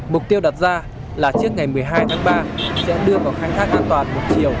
mục tiêu đặt ra là trước ngày một mươi hai tháng ba sẽ đưa vào khai thác an toàn một chiều